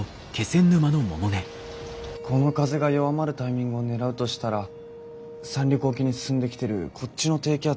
この風が弱まるタイミングを狙うとしたら三陸沖に進んできてるこっちの低気圧が通過した直後しかないな。